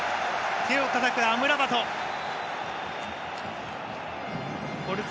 手をたたくアムラバト。